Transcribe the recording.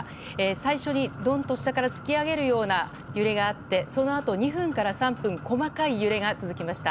最初にドント下から突き上げるような揺れがあってそのあと２分から３分細かい揺れが続きました。